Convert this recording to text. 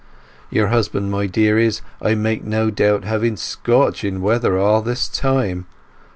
Your husband, my dear, is, I make no doubt, having scorching weather all this time.